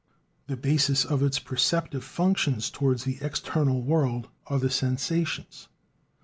The bases of its perceptive functions towards the external world are the "sensations."